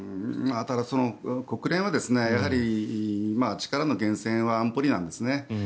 ただ、国連はやはり力の源泉は安保理なんですね。